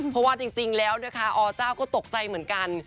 เพราะว่าจริงแล้วนะคะอเจ้าก็ตกใจเหมือนกัน